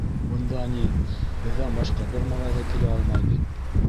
Бында, ни, беҙҙән башҡа бер малай ҙа килә алмай бит.